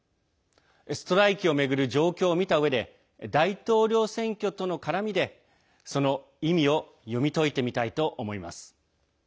ストライキを巡る状況を見たうえで大統領選挙との絡みでその意味を読み解いてみたいと思います。